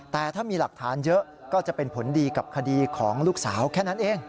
แต่ถ้ามีหลักฐานเยอะก็จะเป็นผลดีกับคดีของลูกสาวแค่นั้นเอง